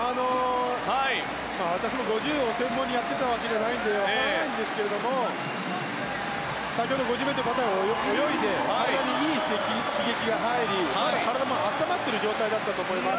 私も５０ｍを専門にやっていたわけではないのでわからないんですが先ほど５０ｍバタフライを泳いで体にいい刺激が入り体も温まっている状態だったと思います。